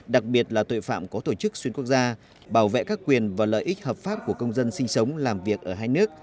đặc biệt là tội phạm có tổ chức xuyên quốc gia bảo vệ các quyền và lợi ích hợp pháp của công dân sinh sống làm việc ở hai nước